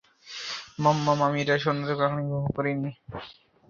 মম মম আমি এটার সৌন্দর্য কখনই উপভোগ করিনি শুধু এইটা হেলানো ছাড়া আইফেল টাওয়ার?